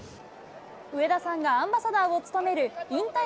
上田さんがアンバサダーを務